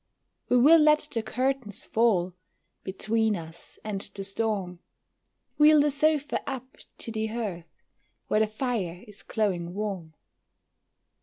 We will let the curtains fall Between us and the storm; Wheel the sofa up to the hearth, Where the fire is glowing warm.